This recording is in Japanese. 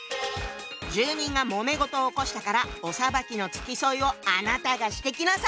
住人がもめ事を起こしたからお裁きの付き添いをあなたがしてきなさい！